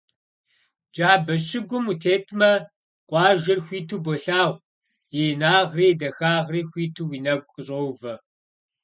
Джабэ щыгум утетмэ, къуажэр хуиту болъагъу, и инагъри и дахагъри хуиту уи нэгу къыщӀоувэ.